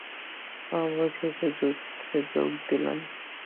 অবশেষে যুদ্ধে যোগ দিলেন।